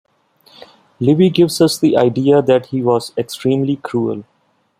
Livy gives us the idea that he was extremely cruel.